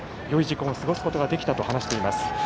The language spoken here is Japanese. よい時間を過ごすことができたと話しています。